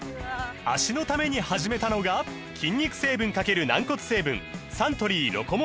脚のために始めたのが筋肉成分×軟骨成分サントリー「ロコモア」です